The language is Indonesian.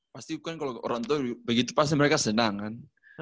pasti bukan kalo orang tau begitu pasti mereka senang kan